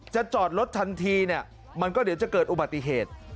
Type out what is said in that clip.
จอดรถทันทีเนี่ยมันก็เดี๋ยวจะเกิดอุบัติเหตุ